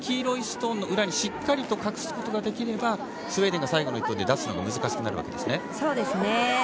この裏にしっかり隠すことができればスウェーデンが最後、出すことが難しくなるわけですね。